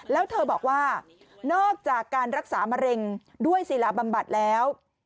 แล้วเธอบอกว่านอกจากการรักษามะเร็งด้วยศิลาบำบัดแล้ว